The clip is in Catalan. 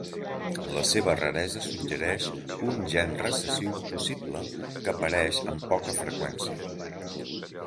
La seva raresa suggereix un gen recessiu possible que apareix amb poca freqüència.